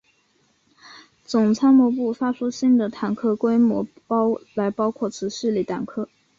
总参谋部发出新的坦克规格来包括此系列坦克。